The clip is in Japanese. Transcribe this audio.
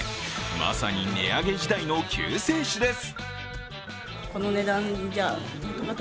まさに値上げ時代の救世主です。